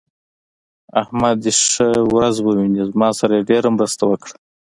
احمد دې ښه ورځ وويني؛ زما سره يې ډېره مرسته وکړه.